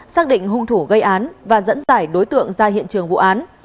xác định hung thủ gây án và dẫn giải đối tượng ra hiện trường vụ án